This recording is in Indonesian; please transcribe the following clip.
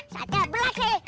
satu belas eh